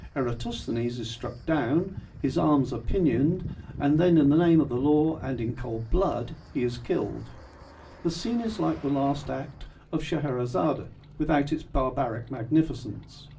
Eratosthenes is struck dow T n, his arms are pinioned, and then in the name of the law and in cold blood he is killed. The scene is like the last act of Scheherazade without its barbaric magnificence.